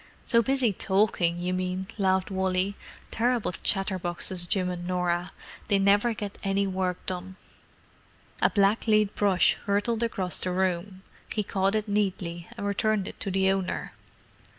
"So busy talking, you mean," laughed Wally. "Terrible chatterboxes, Jim and Norah; they never get any work done." A blacklead brush hurtled across the room: he caught it neatly and returned it to the owner.